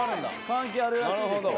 関係あるらしいですよ。